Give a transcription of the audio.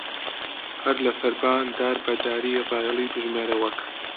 هەر لە سەربان دار بە داری ڕایەڵی بژمێرە وەک